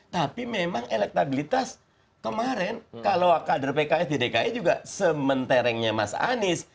tapi memang elektabilitas kemarin kalau kader pks di dki juga sementerengnya mas anies